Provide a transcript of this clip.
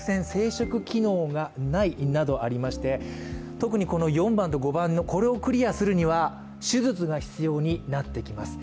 特に４番と５番をクリアするには手術が必要になってきます。